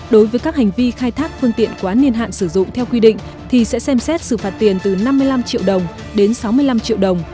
đối với các hành vi khai thác phương tiện quá niên hạn sử dụng theo quy định thì sẽ xem xét xử phạt tiền từ năm mươi năm triệu đồng đến sáu mươi năm triệu đồng